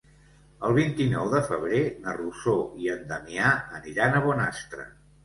El vint-i-nou de febrer na Rosó i en Damià aniran a Bonastre.